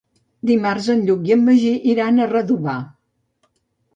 Dimarts en Lluc i en Magí iran a Redovà.